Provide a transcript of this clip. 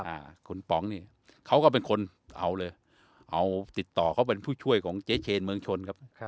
อ่าคุณป๋องนี่เขาก็เป็นคนเอาเลยเอาติดต่อเขาเป็นผู้ช่วยของเจ๊เชนเมืองชนครับครับ